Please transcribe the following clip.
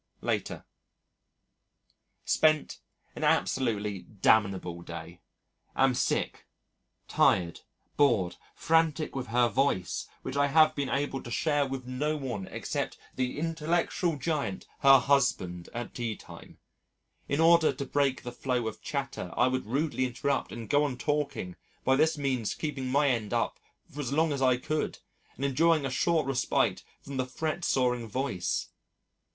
Later: Spent an absolutely damnable day. Am sick, tired, bored, frantic with her voice which I have been able to share with no one except the intellectual giant, her husband, at tea time. In order to break the flow of chatter, I would rudely interrupt and go on talking, by this means keeping my end up for as long as I could, and enjoying a short respite from the fret sawing voice.